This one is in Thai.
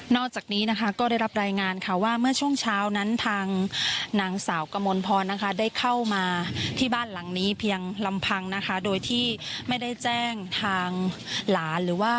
จากนี้นะคะก็ได้รับรายงานค่ะว่าเมื่อช่วงเช้านั้นทางนางสาวกมลพรนะคะได้เข้ามาที่บ้านหลังนี้เพียงลำพังนะคะโดยที่ไม่ได้แจ้งทางหลานหรือว่า